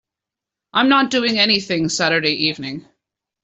I'm not doing anything Saturday evening.